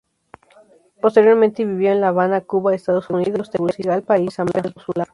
Posteriormente vivió en La Habana, Cuba, Estados Unidos Tegucigalpa y San Pedro Sula.